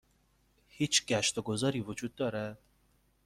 هیچ گشت و گذاری وجود دارد؟